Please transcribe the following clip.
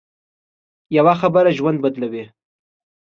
یوه خبره ژوند بدلوي